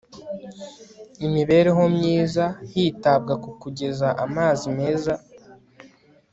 imibereho myiza hitabwa ku kugeza amazi meza